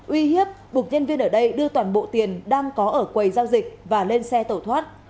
uy hiếp buộc nhân viên ở đây đưa toàn bộ tiền đang có ở quầy giao dịch và lên xe tẩu thoát